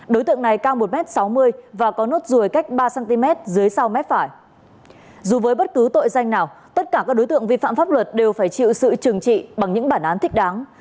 dù với bất cứ tội danh nào tất cả các đối tượng vi phạm pháp luật đều phải chịu sự trừng trị bằng những bản án thích đáng